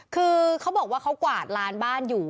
คือเขาบอกว่าเขากวาดลานบ้านอยู่